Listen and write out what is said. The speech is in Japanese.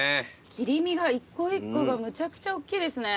切り身が一個一個がむちゃくちゃおっきいですね。